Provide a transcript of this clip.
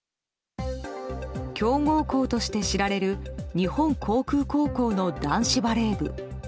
強豪校として知られる日本航空高校の男子バレー部。